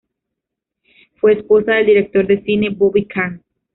Fue esposa del director de cine, Bobby Khan.